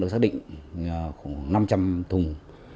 được xác định khoảng năm trăm linh thùng